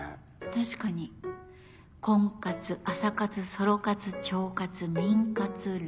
確かに婚活朝活ソロ活腸活眠活ラン活。